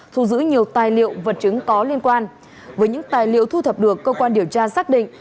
thu giữ nhiều tài liệu vật chứng có liên quan với những tài liệu thu thập được cơ quan điều tra xác định